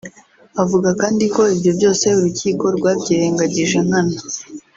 Avuga kandi ko ibyo byose urukiko rwabyirengagije nkana